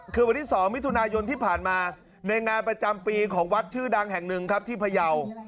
คือวันที่๒มิถุนายนที่ผ่านมาในงานประจำปีของวัดชื่อดังแห่งหนึ่งครับที่พยาว